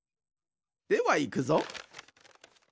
ではいくぞ。